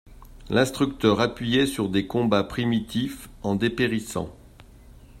L'instructeur appuyait sur des combats primitifs en dépérissant.